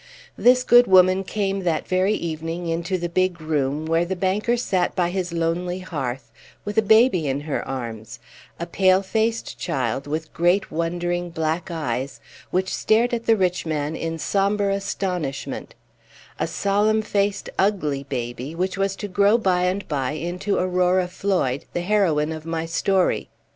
This good woman came that very evening into the big room, where the banker sat by his lonely hearth, with a baby in her arms a pale faced child, with great wondering black eyes, which stared at the rich man in sombre astonishment; a solemn faced, ugly baby, which was to grow by and by into Aurora Floyd, the heroine of my story.